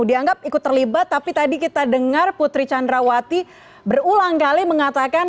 dianggap ikut terlibat tapi tadi kita dengar putri candrawati berulang kali mengatakan